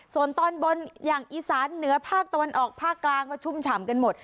ส่วนตอนบนอย่างอีสานเหนือภาคตะวันออกภาคกลางก็ชุ่มฉ่ำกันหมด